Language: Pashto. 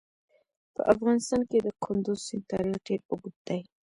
په افغانستان کې د کندز سیند تاریخ ډېر اوږد دی.